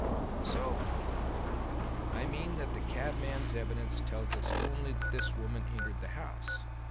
"How so?" "I mean that the cabman's evidence tells us only that this woman entered the house.